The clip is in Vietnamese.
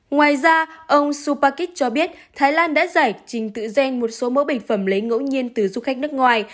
ngoài ra ông supakit cho biết thái lan đã giải trình tự gen một số mẫu bệnh phẩm lấy ngẫu nhiên từ du khách nước ngoài